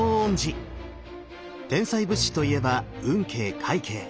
天才仏師といえば運慶快慶。